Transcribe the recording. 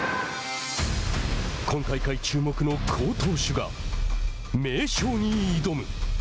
今大会注目の好投手が名将に挑む。